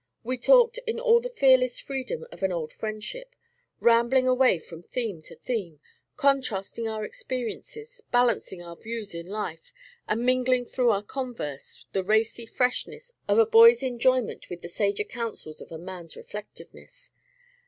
we talked in all the fearless freedom of old friendship, rambling away from theme to theme, contrasting our experiences, balancing our views in life, and mingling through our converse the racy freshness of a boy's enjoyment with the sager counsels of a man's reflectiveness.